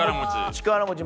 力持ち。